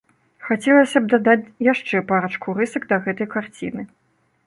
Хацелася б дадаць яшчэ парачку рысак да гэтай карціны.